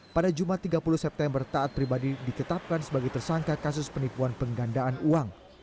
pada jumat tiga puluh september taat pribadi ditetapkan sebagai tersangka kasus penipuan penggandaan uang